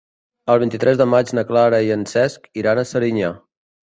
El vint-i-tres de maig na Clara i en Cesc iran a Serinyà.